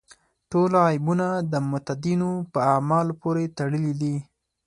ټول عیبونه د متدینو په اعمالو پورې تړلي دي.